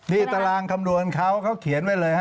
นี่ตารางคำนวณเขาเขาเขียนไว้เลยฮะ